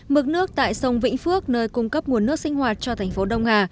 mực nước tại sông vĩnh phước nơi cung cấp nguồn nước sinh hoạt cho thành phố đông hà